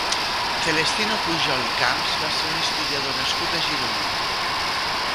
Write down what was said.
Celestino Pujol i Camps va ser un historiador nascut a Girona.